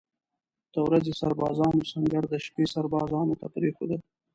د ورځې سربازانو سنګر د شپې سربازانو ته پرېښوده.